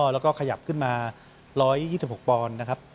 และหยับขึ้นมา๑๒๖ปอนนะครับ